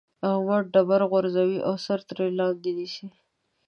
احمد ډبره غورځوي او سر ترې لاندې نيسي.